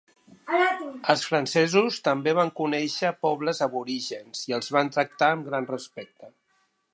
Els francesos també van conèixer pobles aborígens i els van tractar amb gran respecte.